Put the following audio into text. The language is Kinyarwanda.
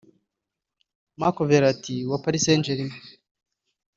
Marco Verratti wa Paris Saint-Germain